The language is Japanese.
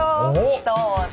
どうぞ。